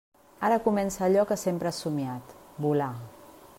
Ara comença allò que sempre has somiat: volar!